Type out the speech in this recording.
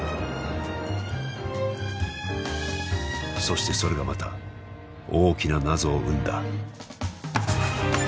そしてそれがまた大きな謎を生んだ。